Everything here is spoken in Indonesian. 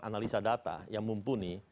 analisa data yang mumpuni